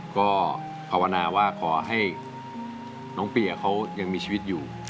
ก็ภาวนาว่าขอให้น้องเปียเขายังมีชีวิตอยู่